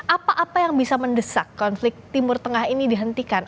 apa apa yang bisa mendesak konflik timur tengah ini dihentikan